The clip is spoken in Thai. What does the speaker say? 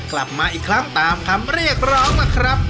กลับมาอีกครั้งตามคำเรียกร้องนะครับ